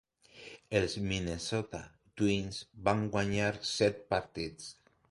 Els Minnesota Twins van guanyar set partits.